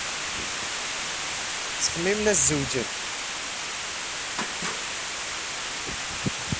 La ttxemmimen ad zewǧen.